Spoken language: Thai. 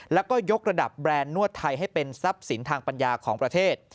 แล้วก็ยกระดับแบรนด์นวดไทยให้เป็นทรัพย์สินทางปัญญาของประเทศ